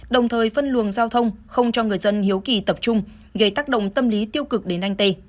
đồng thời phân luồng giao thông không cho người dân hiếu kỳ tập trung gây tác động tâm lý tiêu cực đến anh tê